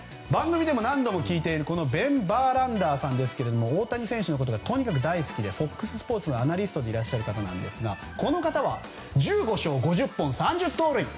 番組でも何度も聞いているベン・バーランダーさんですけど大谷選手のことがとにかく大好きでＦＯＸスポーツのアナリストでいらっしゃいますがこの方は１５勝５０本３０盗塁。